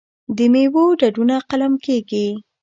د میوو ډډونه قلم کیږي.